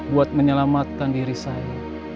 buat menyelamatkan diri saya